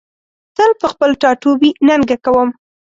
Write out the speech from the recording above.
تل په خپل ټاټوبي ننګه کوم